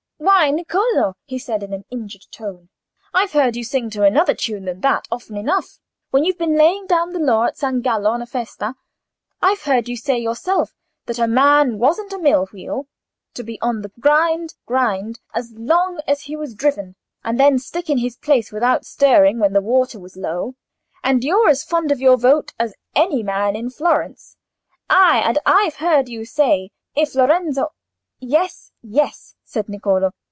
"Why, Niccolò," he said, in an injured tone, "I've heard you sing to another tune than that, often enough, when you've been laying down the law at San Gallo on a festa. I've heard you say yourself, that a man wasn't a mill wheel, to be on the grind, grind, as long as he was driven, and then stick in his place without stirring when the water was low. And you're as fond of your vote as any man in Florence—ay, and I've heard you say, if Lorenzo—" "Yes, yes," said Niccolò.